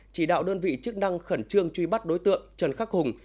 chỉ đạo đơn vị chức năng khẩn trương truy bắt đối tượng trần khắc hùng